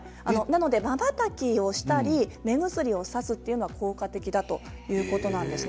なので、まばたきをしたり目薬をさすというのは効果的だということなんです。